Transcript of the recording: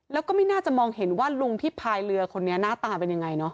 แล้วก็ไม่น่าจะมองเห็นว่าลุงที่พายเรือคนนี้หน้าตาเป็นยังไงเนาะ